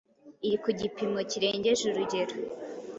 iri ku gipimo kirengeje urugero